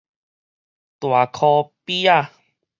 大箍鱉仔